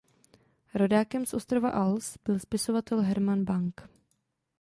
Rodákem z ostrova Als byl spisovatel Herman Bang.